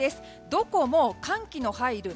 どこも寒気の入る